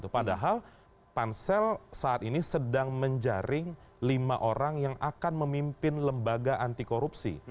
padahal pansel saat ini sedang menjaring lima orang yang akan memimpin lembaga anti korupsi